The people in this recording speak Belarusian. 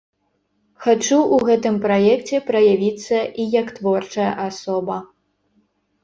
Хачу ў гэтым праекце праявіцца і як творчая асоба.